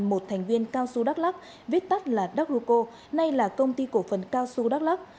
một thành viên cao su đắk lắc viết tắt là đắk lục cô nay là công ty cổ phần cao su đắk lắc